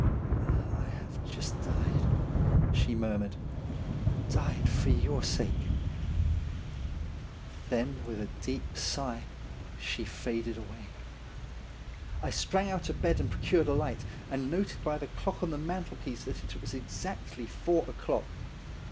' I have just died,' she murmured —' died for your sake.' Then with a deep sigh she faded away. I sprang out of bed and procured a light, and noted by the clock on the mantel piece that it was exactly four o'clock.